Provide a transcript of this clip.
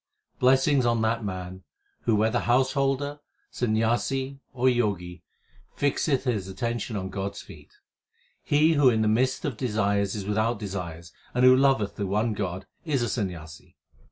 Blessings on that man, who whether householder, Sanyasi, or Jogi, fixeth his attention on God s feet. He who in the midst of desires is without desires, and who loveth the one God is a Sanyasi.